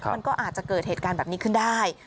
มันก็อาจจะเกิดเหตุการณ์แบบนี้ขึ้นได้